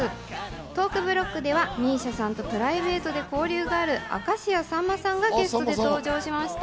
トークブロックではＭＩＳＩＡさんとプライベートで交流がある明石家さんまさんがゲストで登場しました。